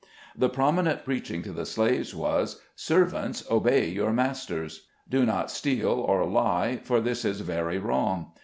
The promi nent preaching to the slaves was, "' Servants, obey your masters' Do not steal or lie, for this is very wrong.